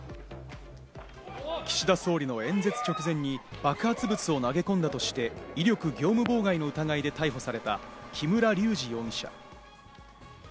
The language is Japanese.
岸田総理の演説直前に爆発物を投げ込んだとして、威力業務妨害の疑いで逮捕された、木村隆二容疑者。